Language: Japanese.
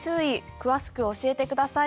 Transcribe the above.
詳しく教えてください。